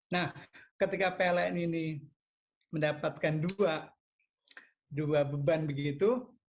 nah ketika pln ini mendapatkan dua beban begitu